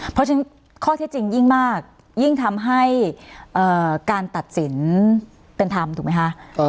เพราะฉะนั้นข้อเท็จจริงยิ่งมากยิ่งทำให้การตัดสินเป็นธรรมถูกไหมคะ